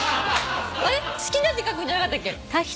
好きな字書くんじゃなかったっけ？